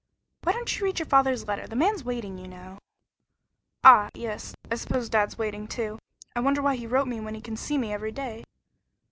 Why don't you read your father's letter? The man's waiting, you know." "Ah, yes. And I suppose Dad's waiting, too. I wonder why he wrote me when he can see me every day!"